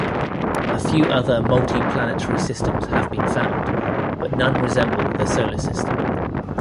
A few other multiplanetary systems have been found, but none resemble the Solar System.